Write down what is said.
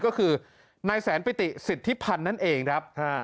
ก็คือนายแสนปิติสิทธิพันธ์นั่นเองครับ